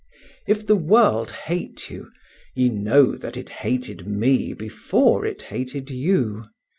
If the world hate you, ye know that it hated me before it hated you.